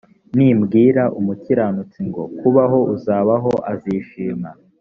nimbwira umukiranutsi ngo kubaho uzabaho azishima